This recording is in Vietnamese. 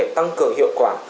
để tăng cường hiệu quả